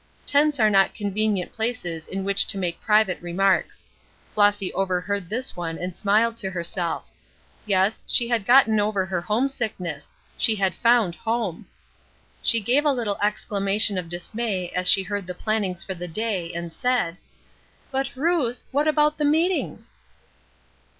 Tents are not convenient places in which to make private remarks. Flossy overheard this one and smiled to herself. Yes, she had gotten over her home sickness she had found home. She gave a little exclamation of dismay as she heard the plannings for the day, and said: "But, Ruth, what about the meetings?"